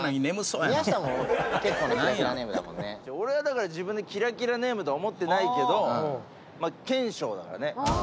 俺はだから自分でキラキラネームとは思ってないけどまあ兼史鷹だからね。